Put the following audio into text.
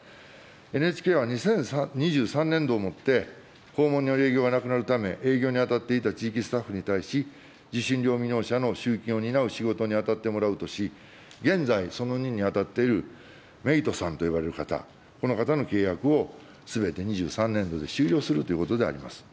ＮＨＫは２０２３年度を持って、訪問による営業がなくなるため、営業に当たっていた地域スタッフに対し、受信料未納者の集金を担う仕事に当たってもらうとし、現在、その任に当たっているメイトさんと呼ばれる方、この方の契約をすべて２３年度で終了するということであります。